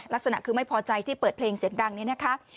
ลักษณะคือไม่พอใจที่เปิดเพลงเสียงดังเนี่ยนะคะ